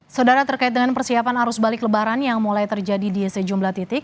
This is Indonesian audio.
saudara terkait dengan persiapan arus balik lebaran yang mulai terjadi di sejumlah titik